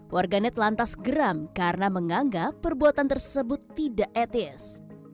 warganet lantas geram karena menganggap perbuatan tersebut tidak etis